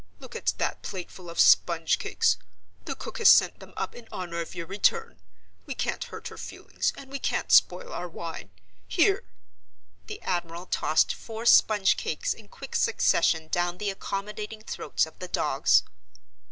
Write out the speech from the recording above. Look at that plateful of sponge cakes! The cook has sent them up in honor of your return. We can't hurt her feelings, and we can't spoil our wine. Here!"—The admiral tossed four sponge cakes in quick succession down the accommodating throats of the dogs.